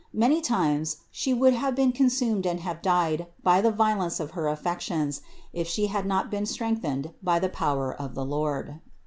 Many times would She have been consumed and have died by the violence of her affections, if She had not been strengthened by the power of the Lord.